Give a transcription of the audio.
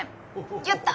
やった！